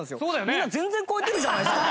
みんな全然超えてるじゃないですか！